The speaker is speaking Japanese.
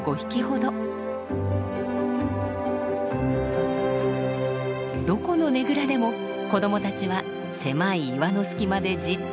どこのねぐらでも子どもたちは狭い岩の隙間でじっとしています。